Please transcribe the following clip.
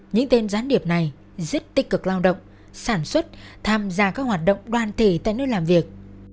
những tên gián điệp này rất tích cực lao động sản xuất tham gia các hoạt động đoàn thể tại nơi làm việc